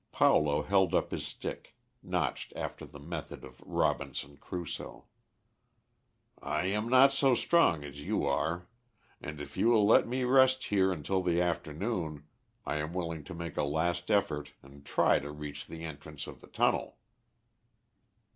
Paulo held up his stick, notched after the method of Robinson Crusoe. "I am not so strong as you are, and if you will let me rest here until the afternoon, I am willing to make a last effort, and try to reach the entrance of the tunnel."